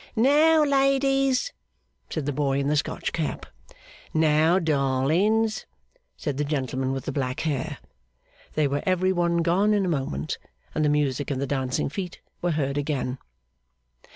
'Now, ladies!' said the boy in the Scotch cap. 'Now, darlings!' said the gentleman with the black hair. They were every one gone in a moment, and the music and the dancing feet were heard again.